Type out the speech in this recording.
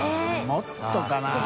もっとかな？